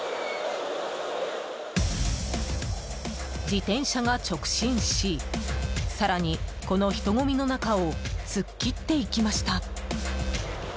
自転車が直進し更に、この人混みの中を突っ切っていきました。